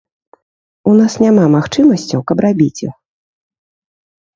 У нас няма магчымасцяў, каб рабіць іх.